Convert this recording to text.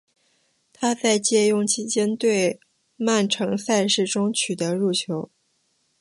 他在借用期间对曼城的赛事中取得入球。